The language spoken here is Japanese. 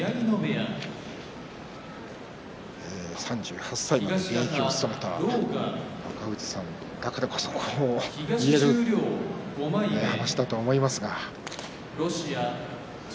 ３８歳まで現役を務めた若藤さんだからこそ言える話だと思います。